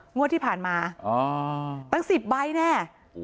งวดที่ผ่านมาตั้ง๑๐ใบแน่